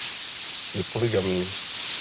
Je polygamní.